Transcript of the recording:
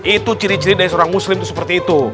itu ciri ciri dari seorang muslim itu seperti itu